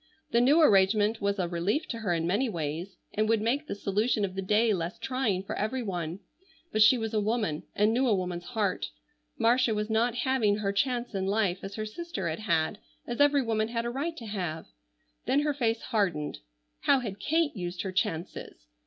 The new arrangement was a relief to her in many ways, and would make the solution of the day less trying for every one. But she was a woman and knew a woman's heart. Marcia was not having her chance in life as her sister had had, as every woman had a right to have. Then her face hardened. How had Kate used her chances?